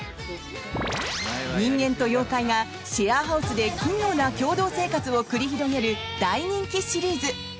人間と妖怪がシェアハウスで奇妙な共同生活を繰り広げる大人気シリーズ。